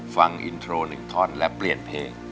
ฟังอินโทร๑ท่อนและเปลี่ยนเพลง